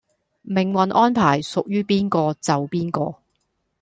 命運安排屬於邊個就邊個